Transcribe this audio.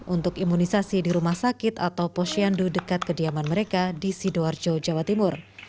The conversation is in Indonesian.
untuk imunisasi di rumah sakit atau posyandu dekat kediaman mereka di sidoarjo jawa timur